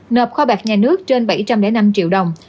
nộp kho bạc nhà nước trên bảy trăm linh năm triệu đồng